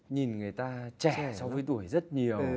nhìn người ta trẻ so với tuổi rất nhiều